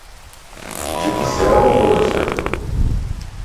Ќе ти се јавам подоцна.